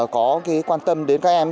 có quan tâm đến các em